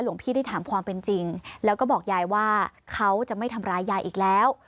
หลวงพี่ได้ถามความเป็นจริงแล้วก็บอกยายว่าเขาจะไม่ทำร้ายยายอีกแล้ว